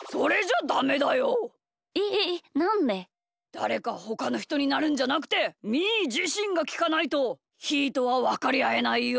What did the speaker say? だれかほかのひとになるんじゃなくてみーじしんがきかないとひーとはわかりあえないよ。